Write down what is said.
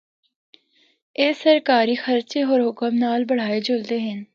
اے سرکاری خرچے ہور حکم نال بنڑائے جلدے ہن۔